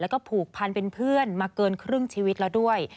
แล้วก็ผูกพันเป็นเพื่อนมาเกินครึ่งชีวิตแล้วด้วย